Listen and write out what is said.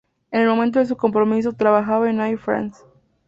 En el momento de su compromiso, trabajaba en Air France.